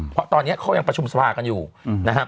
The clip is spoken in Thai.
เพราะตอนนี้เขายังประชุมสภากันอยู่นะครับ